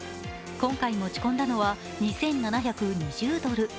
今回持ち込んだのは２７２０ドル。